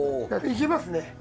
いけます？